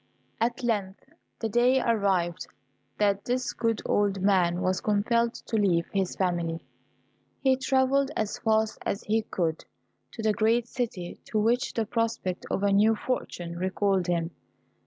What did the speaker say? At length the day arrived, that this good old man was compelled to leave his family. He travelled as fast as he could to the great city to which the prospect of a new fortune recalled him.